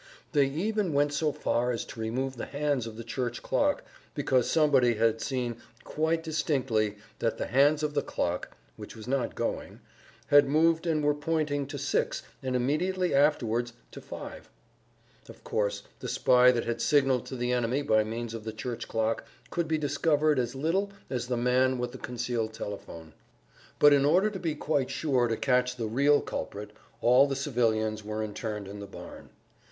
They even went so far as to remove the hands of the church clock, because somebody had seen quite distinctly "that the hands of the clock (which was not going) had moved and were pointing to 6 and immediately afterwards to 5."[Pg 132] Of course, the spy that had signaled to the enemy by means of the church clock could be discovered as little as the man with the concealed telephone. But in order to be quite sure to catch the "real" culprit all the civilians were interned in the barn.